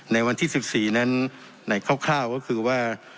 ในวันที่๑๔นั้นในคร่าวก็คือว่า